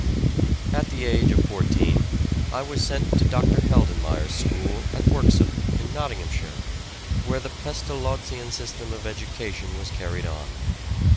At the age of 14 I was sent to Dr. Heldenmier's school at Worksop, in Nottinghamshire, where the Pestalozzian system of education was carried on.